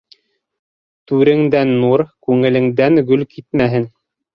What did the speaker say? Түреңдән нур, күңелеңдән гөл китмәһен.